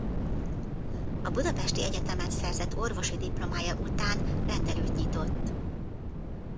A budapesti egyetemen szerzett orvosi diplomája után rendelőt nyitott.